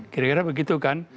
kira kira begitu kan